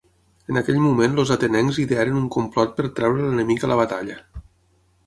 En aquell moment els atenencs idearen un complot per treure l'enemic a la batalla.